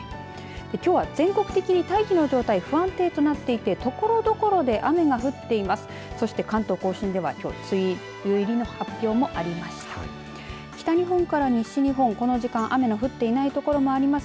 きょうは全国的に大気の状態が不安定となっていてところどころで雨が降っています。